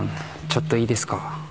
ちょっといいですか